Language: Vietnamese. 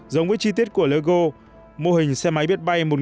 giống với chi tiết của bmw bmw đã đưa ra một mô hình phiên bản kích thức lớn